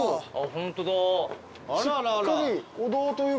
ホントだ。